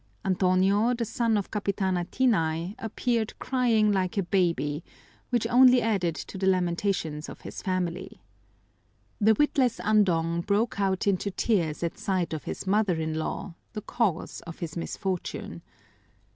Antonio, the son of Capitana Tinay, appeared crying like a baby, which only added to the lamentations of his family. The witless Andong broke out into tears at sight of his mother in law, the cause of his misfortune.